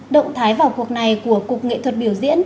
động thái vào cuộc này của cục nghệ thuật biểu diễn